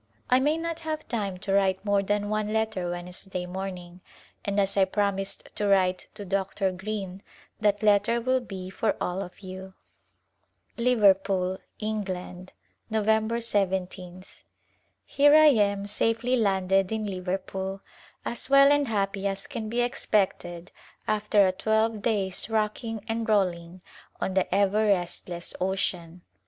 I may not have time to write more than one letter Wednesday morning, and as I promised to write to Dr. Greene that letter will be for all of you. A Glhnpse of India Liverpool^ England^ Nov. lyth. Here I am, safely landed in Liverpool, as well and happy as can be expected after a twelve days' rocking and rolling on the ever restless ocean.